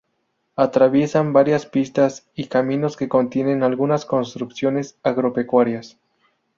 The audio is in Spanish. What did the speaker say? Atraviesan varias pistas y caminos que contienen algunas construcciones agropecuarias.